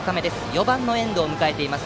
４番の遠藤を迎えています。